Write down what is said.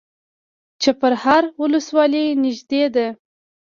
چپرهار ولسوالۍ نږدې ده؟